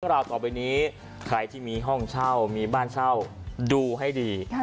ราวต่อไปนี้ใครที่มีห้องเช่ามีบ้านเช่าดูให้ดี